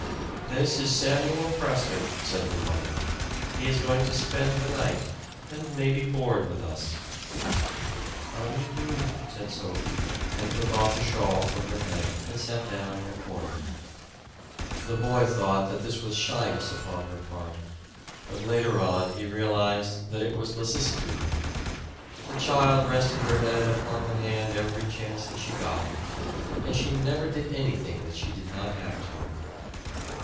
"This is Samuel Prescott," said her mother. "He is going to spend the night, and maybe board with us." "How do you do?" said Sophie, and took off the shawl from her head and sat down in a corner. The boy thought that this was shyness upon her part, but later on he realized that it was lassitude. The child rested her head upon her hand every chance that she got, and she never did anything that she did not have to.